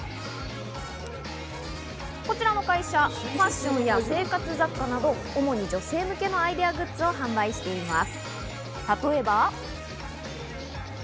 こちらの会社、ファッションや生活雑貨など、主に女性向けのアイデアグッズを販売しています。